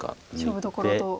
勝負どころと。